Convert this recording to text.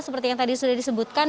seperti yang tadi sudah disebutkan